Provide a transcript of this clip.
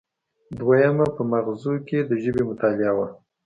دویمه په مغزو کې د ژبې مطالعه وه